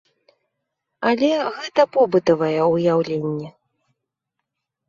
Але гэта побытавае ўяўленне.